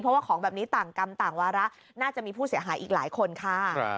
เพราะว่าของแบบนี้ต่างกรรมต่างวาระน่าจะมีผู้เสียหายอีกหลายคนค่ะ